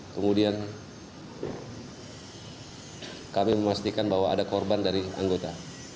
kemudian kami memastikan bahwa ada korban dari anggota